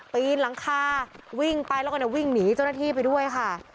ปีนหลังคาวิ่งไปแล้วก็วิ่งหนีเจ้าหน้าที่ไปด้วยค่ะ